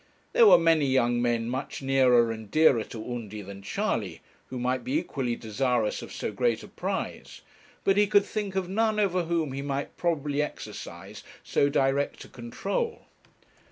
There were many young men much nearer and dearer to Undy than Charley, who might be equally desirous of so great a prize; but he could think of none over whom he might probably exercise so direct a control.